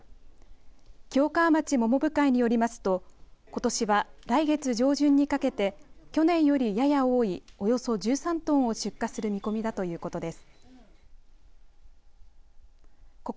きよかわ町桃部会によりますとことしは来月上旬にかけて去年よりやや多い１３トンを出荷する見込みだということです。